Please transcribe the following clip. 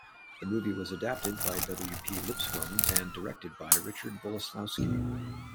The movie was adapted by W. P. Lipscomb and directed by Richard Boleslawski.